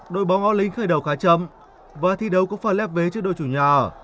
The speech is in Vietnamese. đội bóng o linh khởi đầu khá chậm và thi đấu cũng pha lép vế trước đội chủ nhà